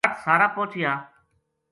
تابٹ سارا پوہچیا